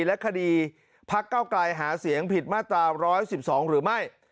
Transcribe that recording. และคดีพักเก้าไกลหาเสียงผิดมาตรา๑๑๒หรือไม่